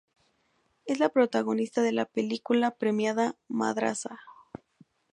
Es la protagonista de la película premiada "Madraza".